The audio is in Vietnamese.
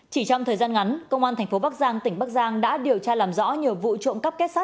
chỉ trong thời gian ngắn công an tp bắc giang tỉnh bắc giang đã điều tra làm rõ nhờ vụ trộm cắp kết sát